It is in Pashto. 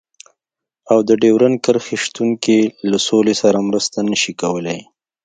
او د ډيورنډ کرښې شتون کې له سولې سره مرسته نشي کولای.